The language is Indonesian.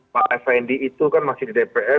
pak effendi itu kan masih di dpr